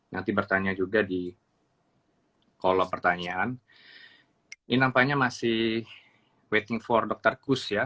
nanti bertanya juga di kalau pertanyaan ini nampaknya masih witning for dr kus ya